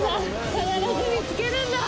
必ず見つけるんだ。